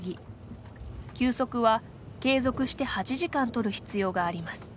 休息は継続して８時間取る必要があります。